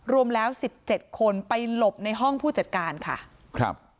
รวมแล้ว๑๗คนไปหลบในห้องผู้จัดการค่ะ